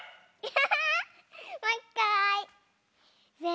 ハハハハ！